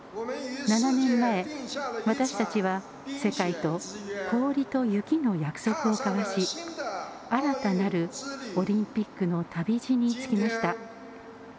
７年前、私たちは世界と氷と雪の約束を交わし新たなるオリンピックの旅路につきました。